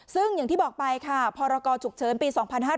ซึ่งอย่างที่บอกไปค่ะพรกรฉุกเฉินปี๒๕๕๙